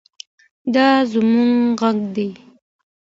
دا زموږ غږ دی.